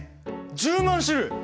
１０万種類！？